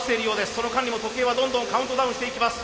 その間にも時計はどんどんカウントダウンしていきます。